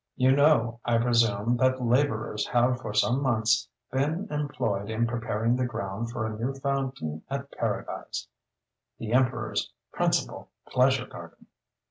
You know, I presume, that laborers have for some months been employed in preparing the ground for a new fountain at Paradise, the Emperor's principal pleasure garden.